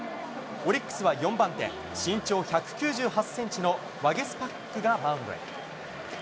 オリックスは４番手、身長１９８センチのワゲスパックがマウンドへ。